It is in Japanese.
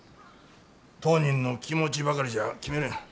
当人の気持ちばかりじゃ決めれん。